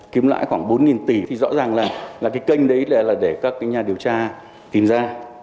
kiếm lãi khoảng bốn tỷ thì rõ ràng là cái kênh đấy là để các nhà điều tra tìm ra